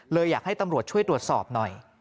อยากให้ตำรวจช่วยตรวจสอบหน่อย